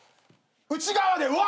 内側では！